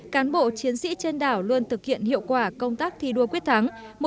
cán bộ chiến sĩ trên đảo luôn thực hiện hiệu quả công tác thi đua quyết thắng